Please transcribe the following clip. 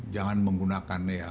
jangan menggunakan ya